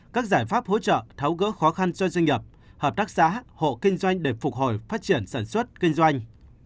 các giải pháp hỗ trợ tháo gỡ khó khăn cho doanh nghiệp hợp tác xã hộ kinh doanh để phục hồi phát triển sản xuất kinh doanh